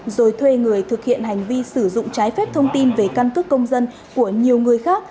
rồi thuê người thực hiện hành vi sử dụng trái phép thông tin về căn cước công dân của nhiều người khác